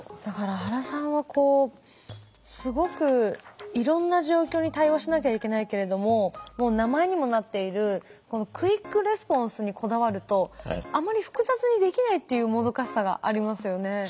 だから原さんはすごくいろんな状況に対応しなきゃいけないけれども名前にもなっているこのクイックレスポンスにこだわるとあまり複雑にできないっていうもどかしさがありますよね。